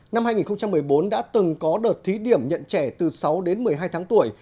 năm hai nghìn một mươi bốn đã từng có đợt thí điểm nhận trẻ từ sáu đến một mươi hai tháng tuổi